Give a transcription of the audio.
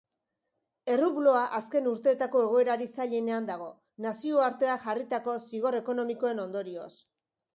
Errubloa azken urteetako egoerarik zailenean dago, nazioarteak jarritako zigor ekonomikoen ondorioz.